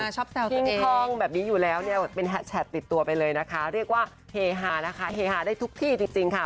ชอบแซวแบบนี้อยู่แล้วเนี่ยเป็นแชทติดตัวไปเลยนะคะเรียกว่าเฮฮานะคะเฮฮาได้ทุกที่จริงค่ะ